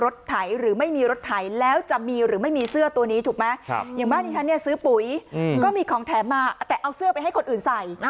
ซื้อปุ๋ยก็มีของแถมมาแต่เอาเสื้อไปให้คนอื่นใส่